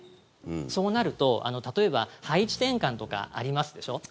そうなると、例えば配置転換とかありますでしょう。